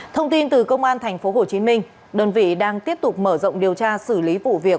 thông tin từ công an tp hcm đơn vị đang tiếp tục mở rộng điều tra xử lý vụ việc